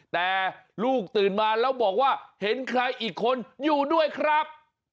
แต่ลูกตื่นมาแล้วบอกว่าเห็นใครอีกคนอยู่ด้วยครับ